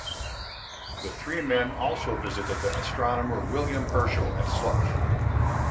The three men also visited the astronomer William Herschel at Slough.